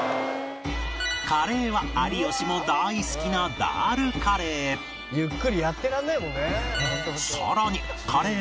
カレーは有吉も大好きなダールカレー「ゆっくりやってらんないもんね」